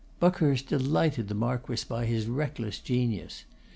Buckhurst delighted the Marquess by his reckless genius.